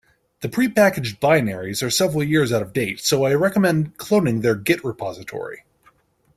The prepackaged binaries are several years out of date, so I recommend cloning their git repository.